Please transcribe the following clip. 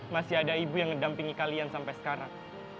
masih ada ibu yang mendampingi kalian sampai sekarang